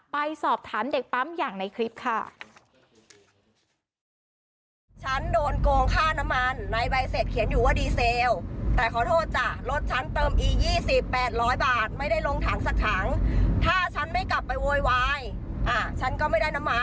ไปสอบถามเด็กปั๊มอย่างในคลิปค่ะ